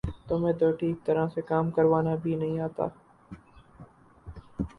تمہیں تو ٹھیک طرح سے کام کروانا بھی نہیں آتا